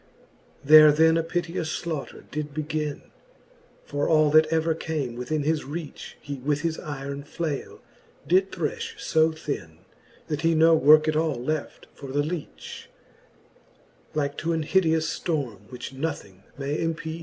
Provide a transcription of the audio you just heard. There then a piteous flaughter did begin : For all that ever came within his reach, He with his yron flale did threfh fb thin, That he no worke at all left for the leach : Like to an hideous ftorme, which nothing may empeach.